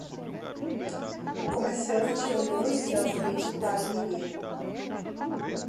O comerciante olhou ansiosamente para o menino.